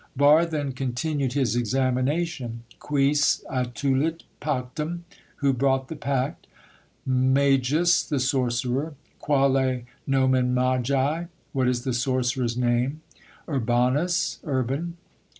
Barre then continued his examination. "Quis attulit pactum?" (Who brought the pact?) "Magus" (The sorcerer). "Quale nomen magi?" (What is the sorcerer's name?) "Urbanus" (Urban).